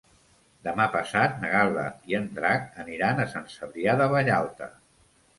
Demà passat na Gal·la i en Drac aniran a Sant Cebrià de Vallalta.